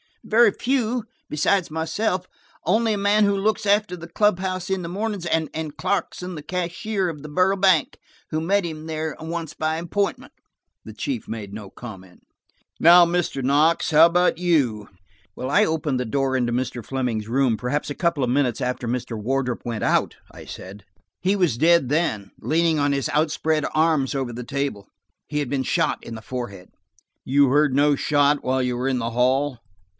"Very few–besides myself, only a man who looks after the club house in the mornings, and Clarkson, the cashier of the Borough Bank, who met him there once by appointment." The chief made no comment. "Now, Mr. Knox, what about you?" "I opened the door into Mr. Fleming's room, perhaps a couple of minutes after Mr. Wardrop went out," I said. "He was dead then, leaning on his outspread arms over the table; he had been shot in the forehead." "You heard no shot while you were in the hall